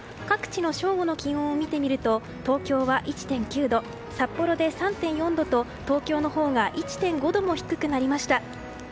各地の正午の気温を見てみると東京は１．９度札幌で３．４度と東京のほうが１．５度も低くなりました。